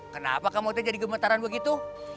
kenapa kamu aja jadi gemetaran begitu